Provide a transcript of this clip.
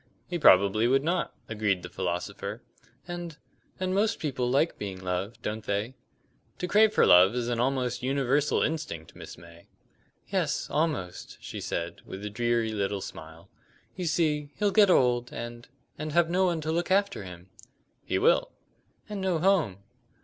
"He probably would not," agreed the philosopher. "And and most people like being loved, don't they?" "To crave for love is an almost universal instinct, Miss May." "Yes, almost," she said, with a dreary little smile. "You see, he'll get old, and and have no one to look after him." "He will." "And no home."